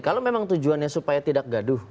kalau memang tujuannya supaya tidak gaduh